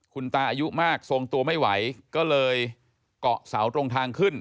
คุณตาอายุมากทรงตัวไม่ไหวก็เลยเกาะเสาตรงทางขึ้น